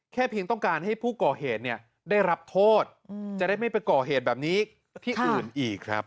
เพียงต้องการให้ผู้ก่อเหตุเนี่ยได้รับโทษจะได้ไม่ไปก่อเหตุแบบนี้ที่อื่นอีกครับ